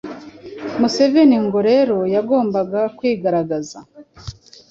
Museveni ngo rero yagombaga kwigaragaza